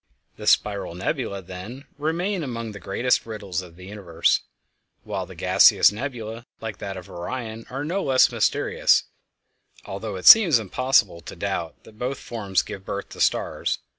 The spiral nebulæ, then, remain among the greatest riddles of the universe, while the gaseous nebulæ, like that of Orion, are no less mysterious, although it seems impossible to doubt that both forms give birth to stars.